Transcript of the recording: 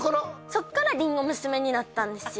そっからりんご娘になったんですよ